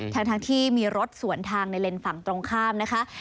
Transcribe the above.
ทั้งที่มีรถสวนทางในเลนส์ฝั่งตรงข้ามนะคะ